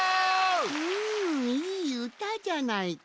うんいいうたじゃないか！